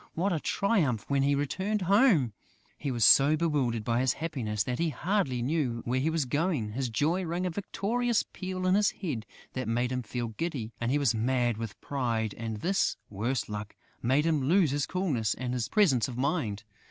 What a triumph when he returned home!... He was so bewildered by his happiness that he hardly knew where he was going; his joy rang a victorious peal in his head that made him feel giddy; he was mad with pride; and this, worse luck, made him lose his coolness and his presence of mind!